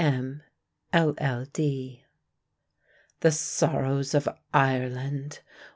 M., LL.D "The sorrows of Ireland"!